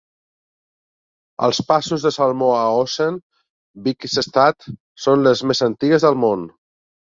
Els passos de salmó a Osen, Bygstad, són les més antigues del món.